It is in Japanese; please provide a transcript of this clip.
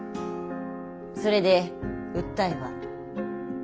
それで訴えは？